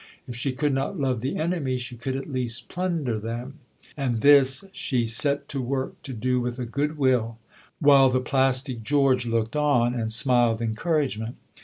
If she could not love the enemy, she could at least plunder them; and this she set to work to do with a good will, while the plastic George looked on and smiled encouragement.